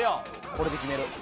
これで決める。